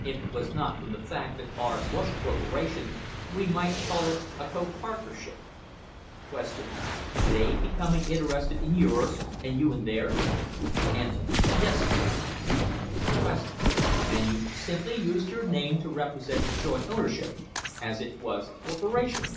If it was not from the fact that ours was a corporation, we might call it a copartnership. Q. They becoming interested in yours, and you in theirs ? A . Yes, sir. Q. And you simply used your name to represent the joint ownership, as it was a corporation